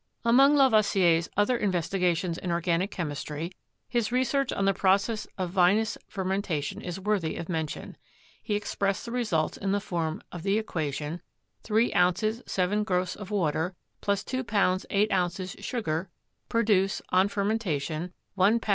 Among Lavoisier's other investigations in organic chem istry, his research on the process of vinous fermentation is worthy of mention. He expressed the results in the form of the equation — 3 oz. 7 gros of water + 2 lbs. 8 oz. sugar produce, on fermentation, 1 lb.